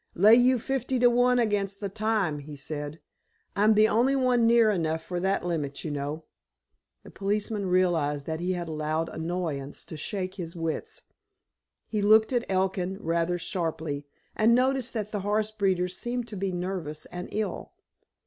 "Lay you fifty to one against the time," he said. "I'm the only one near enough for that limit, you know." The policeman realized that he had allowed annoyance to shake his wits. He looked at Elkin rather sharply, and noticed that the horse breeder seemed to be nervous and ill.